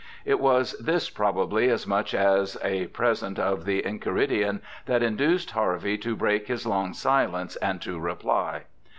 It was this probably as much as a present of the Enchei ridion that induced Ilarvey to break his long silence and to reply.